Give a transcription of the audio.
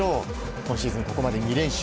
今シーズン、ここまで２連勝。